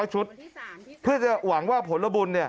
ชุดเพื่อจะหวังว่าผลบุญ